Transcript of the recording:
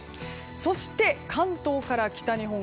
そして、関東から北日本